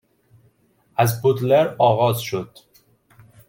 از بودلر آغاز شد